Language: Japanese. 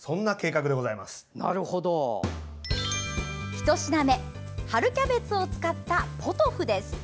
１品目春キャベツを使ったポトフです。